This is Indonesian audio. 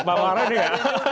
ada bang mardin ya